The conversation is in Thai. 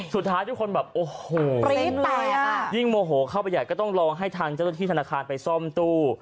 สุดท้ายทุกคนแบบโอ้โหยิ่งโมโหเข้าไปอยากก็ต้องลองให้ทางเจ้าที่ธนาคารไปซ่อมตู้